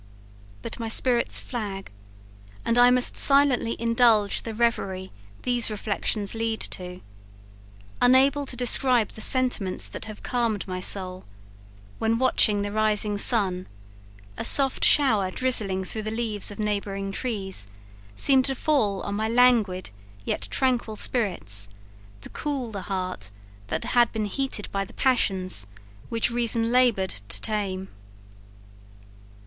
But my spirits flag; and I must silently indulge the reverie these reflections lead to, unable to describe the sentiments that have calmed my soul, when watching the rising sun, a soft shower drizzling through the leaves of neighbouring trees, seemed to fall on my languid, yet tranquil spirits, to cool the heart that had been heated by the passions which reason laboured to tame.